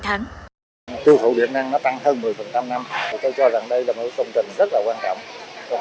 chương trình điện năng tăng hơn một mươi năm tôi cho rằng đây là một công trình rất quan trọng